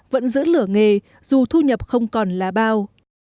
vẫn giữ lửa nghề dù thu nhập không còn lá bao